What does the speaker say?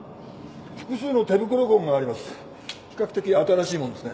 複数の手袋痕があります。